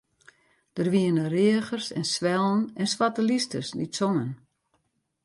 Der wiene reagers en swellen en swarte lysters dy't songen.